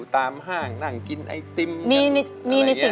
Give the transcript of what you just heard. กระแซะเข้ามาสิ